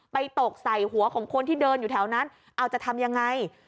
ตกใส่หัวของคนที่เดินอยู่แถวนั้นเอาจะทำยังไง